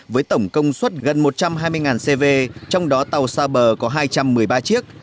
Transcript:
với tổng công suất gần một trăm hai mươi cv trong đó tàu xa bờ có hai trăm một mươi ba chiếc